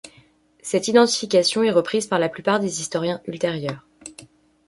Cette identification est reprise par la plupart des historiens ultérieurs.